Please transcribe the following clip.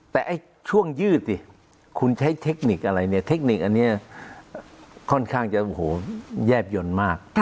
แต่ไอ้ช่วงยืดคุณใช้เทคนิกอะไรเทคนิคอันนี้ข้อนข้างจะโอ้โฮแยบหย่อนมาก